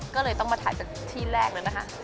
ก็เลยต้องมาถ่ายจากที่แรกเลยนะคะ